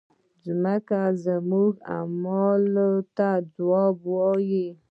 مځکه زموږ اعمالو ته ځواب وایي.